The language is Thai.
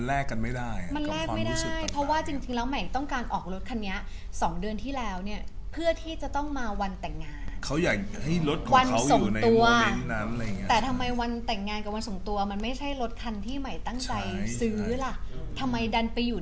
ตัวมันไม่ใช่รถคันที่ใหม่ตั้งใจซื้อล่ะทำไมดันไปอยู่